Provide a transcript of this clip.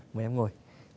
mời em ngồi